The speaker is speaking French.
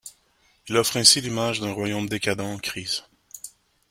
Il offre ainsi l’image d’un royaume décadent en crise.